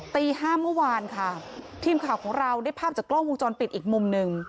ตี๕เมื่อวานค่ะทีมข่าวของเราได้ภาพจากกล้องวงจรปิดอีกมุมหนึ่ง